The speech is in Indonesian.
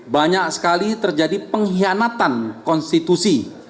banyak sekali terjadi pengkhianatan konstitusi